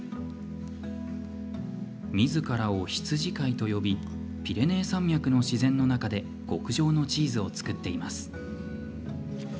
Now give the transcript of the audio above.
みずからを羊飼いと呼びピレネー山脈の自然の中で極上のチーズを造っています。